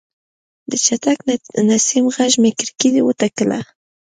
د چټک نسیم غږ مې کړکۍ وټکوله.